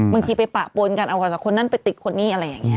บางทีไปปะโปรงกันออกกว่าจะคนนั้นไปติดคนนี้